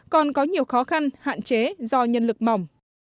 còn có nhiều khó khăn hạn chế do nhân lực mỏng